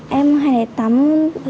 có người tuyển em vào